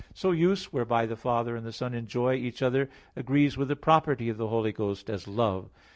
So "use," whereby the Father and the Son enjoy each other, agrees with the property of the Holy Ghost, as Love.